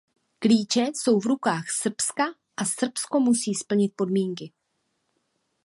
Klíče jsou v rukách Srbska a Srbsko musí splnit podmínky.